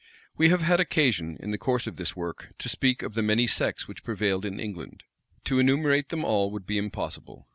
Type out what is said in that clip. We have had occasion, in the course of this work, to speak of the many sects which prevailed in England: to enumerate them all would be impossible.